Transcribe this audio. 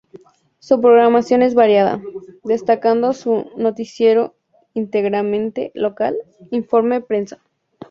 Su programación es variada, destacando su noticiero íntegramente local "Informe Prensa".